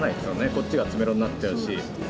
こっちが詰めろになっちゃうし。